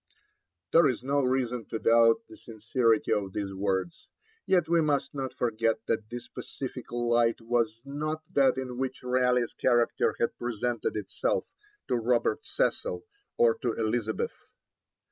There is no reason to doubt the sincerity of these words; yet we must not forget that this pacific light was not that in which Raleigh's character had presented itself to Robert Cecil or to Elizabeth.